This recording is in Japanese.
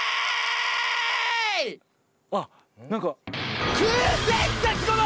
あっ何か。